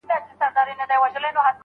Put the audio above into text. له کلونو یې پر څنډو اوسېدلی